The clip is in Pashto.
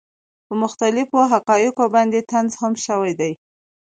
پۀ مختلفو حقائقو باندې طنز هم شوے دے،